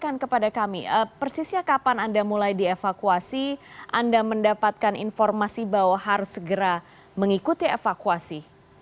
saya akan kepada kami persisnya kapan anda mulai dievakuasi anda mendapatkan informasi bahwa harus segera mengikuti evakuasi